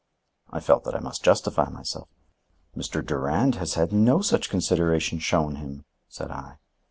I felt that I must justify myself. "Mr. Durand has had no such consideration shown him," said I.